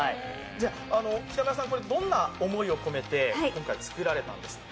北村さん、これ、どんな思いを込めて今回作られたんですか？